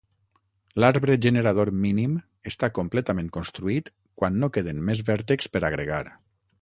L'arbre generador mínim està completament construït quan no queden més vèrtexs per agregar.